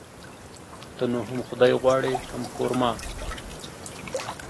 ته نو هم خداى غواړي ،هم خر ما.